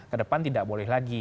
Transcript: kedepan tidak boleh lagi